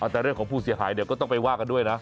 แต่เรื่องของผู้เสียหายเดี๋ยวก็ต้องไปว่ากันด้วยนะ